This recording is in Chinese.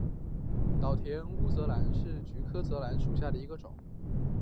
岛田氏泽兰为菊科泽兰属下的一个种。